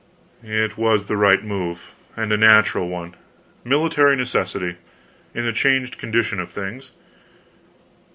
"It was the right move and the natural one; military necessity, in the changed condition of things.